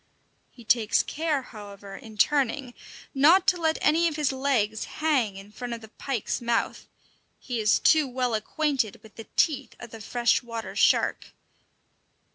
He takes care, however, in turning, not to let any of his legs hang in front of the pike's mouth; he is too well acquainted with the teeth of the fresh water shark!